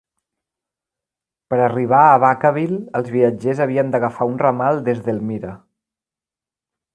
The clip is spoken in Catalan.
Per arribar a Vacaville, els viatgers havien d'agafar un ramal des d'Elmira.